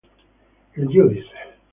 Il giudice